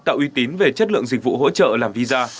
tạo uy tín về chất lượng dịch vụ hỗ trợ làm visa